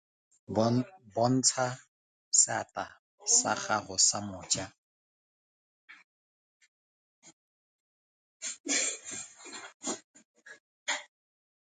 Bontsha seatla sa gago sa moja.